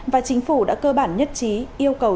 và chính phủ đã cơ bản nhất trí yêu cầu